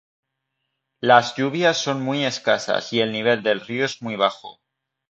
Las lluvias son muy escasas y el nivel del río es muy bajo.